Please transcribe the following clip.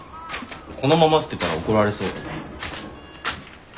このまま捨てたら怒られそうよね。